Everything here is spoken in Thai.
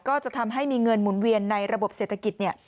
ก็จะทำให้มีเงินหมุนเวียนในระบบเศรษฐกิจเนี่ย